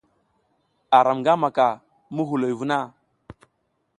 Aram nga maka muhuloy vuna?